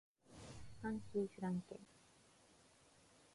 ファンキーフランケン